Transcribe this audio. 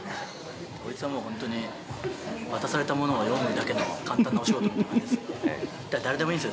こいつは、もう本当に渡されたものを読むだけの簡単なお仕事って感じです。